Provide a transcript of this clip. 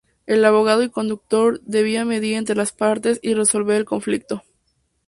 El abogado y conductor debía mediar entre las partes y resolver el conflicto.